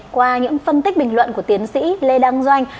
qua những phân tích bình luận của tiến sĩ lê đăng doanh